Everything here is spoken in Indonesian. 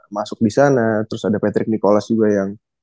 masuk disana terus ada patrick nicholas juga yang